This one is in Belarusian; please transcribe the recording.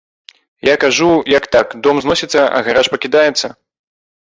Я кажу, як так, дом зносіцца, а гараж пакідаецца?